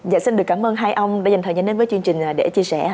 và xin được cảm ơn hai ông đã dành thời gian đến với chương trình để chia sẻ